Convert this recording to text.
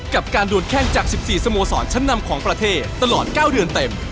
กับการโดนแข้งจาก๑๔สโมสรชั้นนำของประเทศตลอด๙เดือนเต็ม